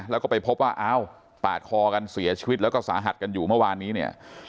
แล้วก็ไปพบว่าอ้าวปาดคอกันเสียชีวิตแล้วก็สาหัสกันอยู่เมื่อวานนี้เนี่ย